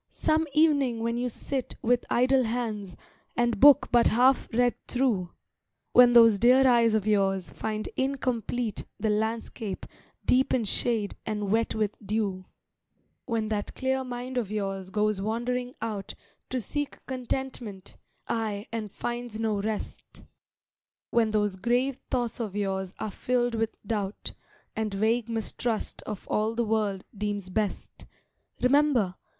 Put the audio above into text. some evening when you sit With idle hands, and book but half read through; When those dear eyes of yours find incomplete The landscape deep in shade and wet with dew; When that clear mind of yours goes wandering out To seek contentment, ay, and finds no rest; When those grave thoughts of yours are filled with doubt, And vague mistrust of all the world deems best; Remember!